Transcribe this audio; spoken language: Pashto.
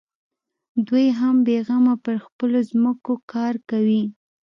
دوى هم بېغمه پر خپلو ځمکو کار کوي.